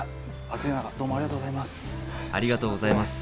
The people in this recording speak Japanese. ありがとうございます。